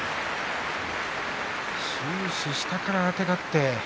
終始下からあてがって。